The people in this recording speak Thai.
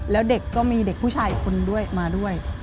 แล้วเด็กก็มีเด็กผู้ชายอีกคนด้วยมาด้วย